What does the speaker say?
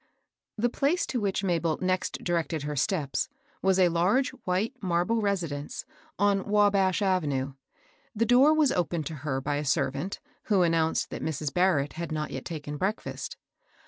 The place to which Mabel next directed her steps was a large, white marble residence, on Wabash Avenue. The door was opened to her by a servant, who announced that Mrs. Barrett had not yet taken breakfast.